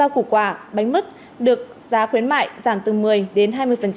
củ quả bánh mứt được giá khuyến mại giảm từ một mươi đến hai mươi